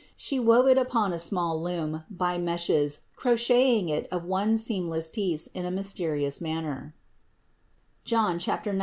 She wove it upon a small loom, by meshes, crocheting it of one seamless piece in a mysterious manner (John 19, 23).